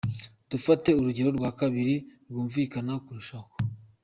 Dufate urugero rwa kabiri rwumvikana kurushaho.